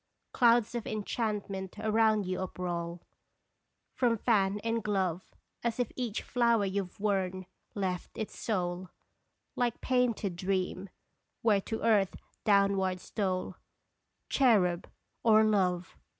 Clouds of enchantment around you uproll From fan and glove, As if each flower you Ve worn left its soul, Like painted dream, where to Earth downward stole Cherub, or Love